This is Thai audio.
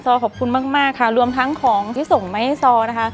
ขอบคุณมากมากค่ะรวมทั้งของที่ส่งมาให้ซอนะคะ